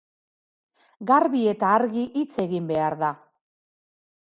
Garbi eta argi hitz egin behar da.